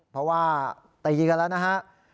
เพราะว่าตีกันแล้วนะฮะ